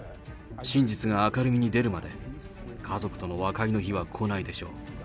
真実が明るみに出るまで、家族との和解の日は来ないでしょう。